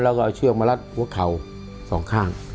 แล้วก็เอาเชือกมารัดหัวเข่าสองข้าง